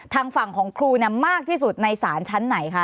ทางฝั่งของครูมากที่สุดในศาลชั้นไหนคะ